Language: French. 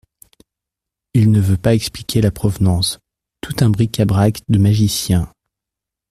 il ne veut pas expliquer la provenance, tout un bric-à-brac de magicien